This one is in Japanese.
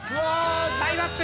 タイムアップ。